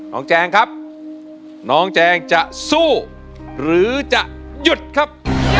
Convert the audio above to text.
แจงครับน้องแจงจะสู้หรือจะหยุดครับ